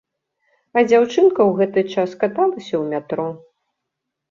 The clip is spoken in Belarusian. А дзяўчынка ў гэты час каталася ў метро.